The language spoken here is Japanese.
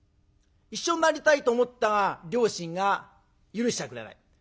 一緒になりたいと思ったが両親が許しちゃくれない。